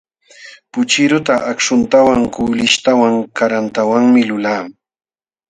Puchiruta akhuntawan, kuulishtawan, karantawanmi lulaa.